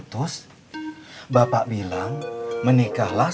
tapi orang sama aku jauh jauh